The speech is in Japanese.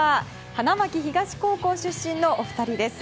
花巻東高校出身のお二人です。